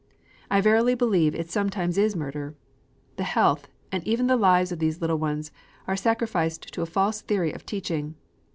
I verily believe it sometimes is murder. The health, and even the lives of these little ones, are sacrificed to a false theory of teaching.